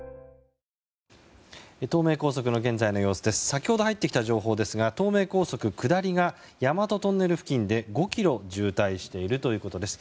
先ほど入ってきた情報ですが東名高速下りが大和トンネル付近で５ｋｍ渋滞しているということです。